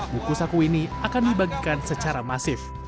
buku saku ini akan dibagikan secara masif